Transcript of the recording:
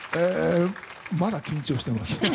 まだ緊張してます。